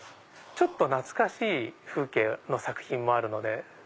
ちょっと懐かしい風景の作品もあるので。